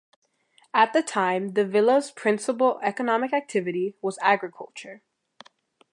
At the time, the villa's principal economic activity was agriculture.